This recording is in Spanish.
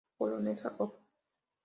Polonesa, Op.